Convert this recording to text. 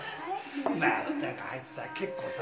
まったくあいつさ結構